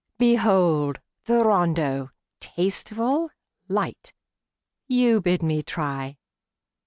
Behold! the rondeau, tasteful, light, You bid me try!